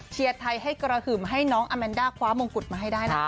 ไทยให้กระหึ่มให้น้องอาแมนด้าคว้ามงกุฎมาให้ได้นะคะ